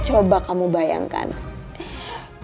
coba kamu bayangkan kalau air ini terus mengisi akuarium ini